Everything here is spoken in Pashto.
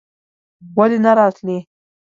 ولې نه راتلې?